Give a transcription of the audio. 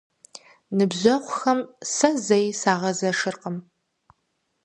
Ныбжьэгъухэм сэ зэи сагъэзэшыркъым.